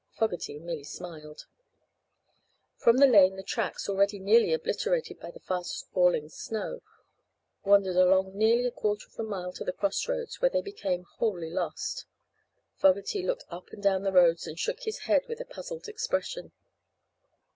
Fogerty merely smiled. From the lane the tracks, already nearly obliterated by the fast falling snow, wandered along nearly a quarter of a mile to a crossroads, where they became wholly lost. Fogerty looked up and down the roads and shook his head with a puzzled expression.